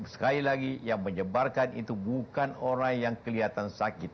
sekali lagi yang menyebarkan itu bukan orang yang kelihatan sakit